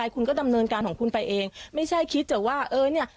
คุณก็ดำเนินการของคุณไปเองไม่ใช่คิดแต่ว่าเออเนี่ย